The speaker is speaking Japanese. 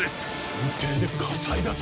船底で火災だと？